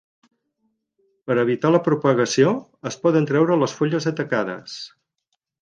Per evitar la propagació es poden treure les fulles atacades.